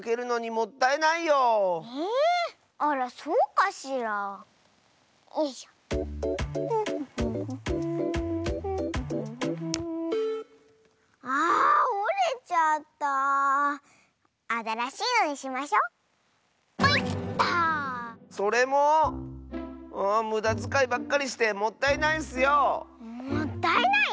もったいない？